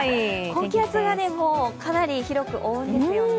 高気圧がかなり広く覆うんですよね。